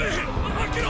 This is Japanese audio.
開けろ！！